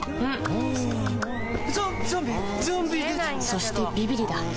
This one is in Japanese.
そしてビビリだ